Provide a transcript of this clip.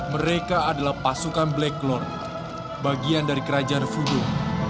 mereka adalah pasukan black lord bagian dari kerajaan voodoo